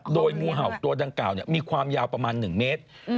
โดยงูเห่าตัวดังกล่าวมีความยาวประมาณ๑เมตร